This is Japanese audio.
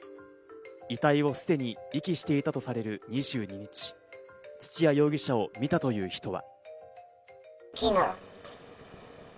遺体をすでに遺棄していたとみられる２２日、土屋容疑者を見たという人は。